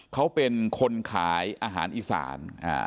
เขาเป็นคนขายอาหารอีสาน